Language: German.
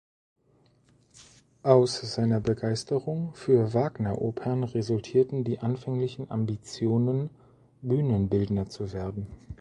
Aus seiner Begeisterung für Wagneropern resultierten die anfänglichen Ambitionen Bühnenbildner zu werden.